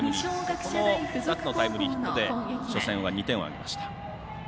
この２つのタイムリーヒットで初戦は２点を挙げました。